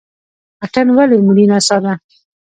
اتن ولې ملي نڅا ده؟